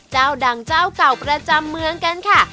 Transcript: เจ้าดังเจ้าเก่าประจำเมืองกันค่ะ